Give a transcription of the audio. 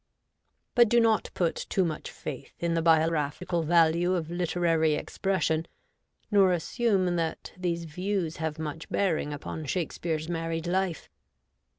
But do not put too much faith in the biographical value of literary expression, nor assume that these views have much bearing upon Shakespeare's married life.